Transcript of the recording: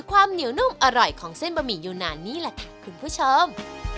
ความเหนียวนุ่มอร่อยของเส้นบะหมี่ยูนานนี่แหละค่ะคุณผู้ชม